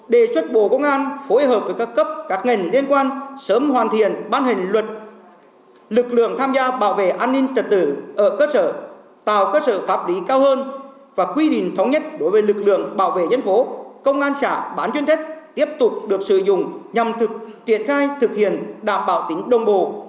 để xuất bộ công an phối hợp với các cấp các ngành liên quan sớm hoàn thiện bán hình luật lực lượng tham gia bảo vệ an ninh trật tự ở cơ sở tạo cơ sở pháp lý cao hơn và quy định thống nhất đối với lực lượng bảo vệ dân phố công an xã bán chuyên trách tiếp tục được sử dụng nhằm triển khai thực hiện đảm bảo tính đồng bộ